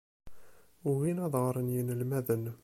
Ugin ad ɣren yinelmaden.